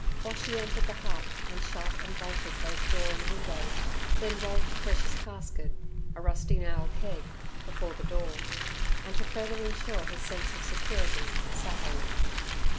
Boshy entered the hut and shut and bolted both door and window, then rolled the precious casket, a rusty nail keg, before the door, and to further insure his sense of security sat on it.